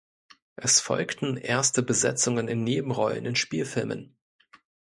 Es folgten erste Besetzungen in Nebenrollen in Spielfilmen.